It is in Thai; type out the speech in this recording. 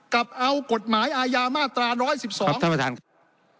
กลับเอากฎหมายอายามาตราร้อยสิบสองครับท่านประธานครับ